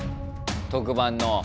特番の。